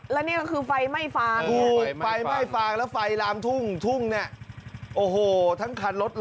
และนี่ก็คือไฟไหม้ฟาง